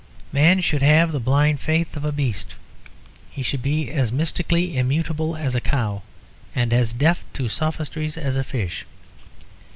Man should have the blind faith of a beast: he should be as mystically immutable as a cow, and as deaf to sophistries as a fish.